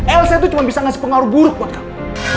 elsa itu cuma bisa ngasih pengaruh buruk buat kamu